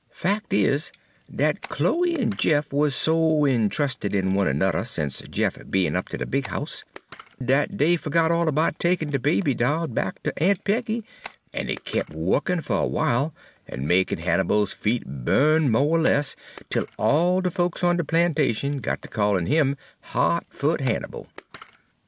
Fac' is, dat Chloe en Jeff wuz so int'rusted in one ernudder sence Jeff be'n up ter de house, dat dey fergot all 'bout takin' de baby doll back ter Aun' Peggy, en it kep' wukkin' fer a w'ile, en makin' Hannibal's feet bu'n mo' er less, 'tel all de folks on de plantation got ter callin' 'im Hot Foot Hannibal.